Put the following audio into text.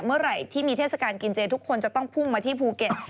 เมื่อไหร่ที่มีเทศกาลกินเจทุกคนจะต้องพุ่งมาที่ภูเก็ต